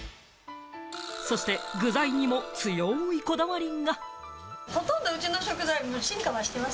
そして具材にも強いこだわりが。